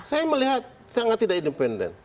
saya melihat sangat tidak independen